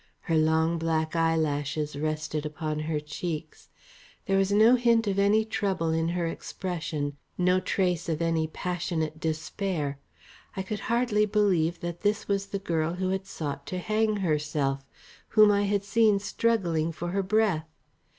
Her long black eyelashes rested upon her cheeks. There was no hint of any trouble in her expression, no trace of any passionate despair. I could hardly believe that this was the girl who had sought to hang herself, whom I had seen struggling for her breath.